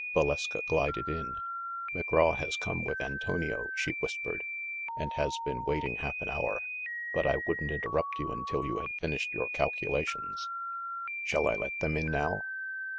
Valeska glided in. "McGraw has come with An tonio," she whispered, "and has been waiting half an hour; but I wouldn't interrupt you until you had fin ished your calculations. Shall I let them in now